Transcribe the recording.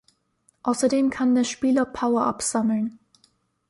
Außerdem kann der Spieler Power-ups sammeln.